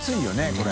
これ。